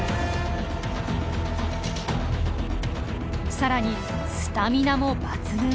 更にスタミナも抜群！